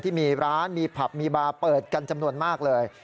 ที่มีร้านมีผับมีบาร์เปิดกันจำนวนมากเลย